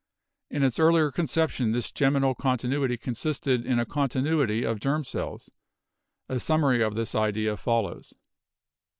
In its earlier conception this germinal continuity con sisted in a continuity of germ cells. A summary of this idea follows.